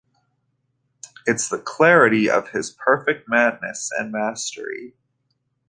It's the clarity of his perfect madness, and mastery.